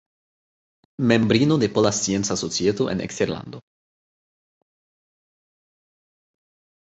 Membrino de Pola Scienca Societo en Eksterlando.